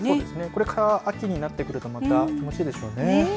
これから秋になってくるとまた気持ち良いでしょうね。